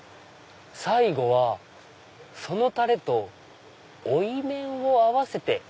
「最後はそのタレと追い麺を合わせて」。